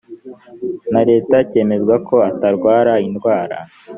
na leta cyemeza ko atarwara indwara